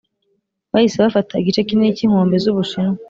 bahise bafata igice kinini cyinkombe zubushinwa.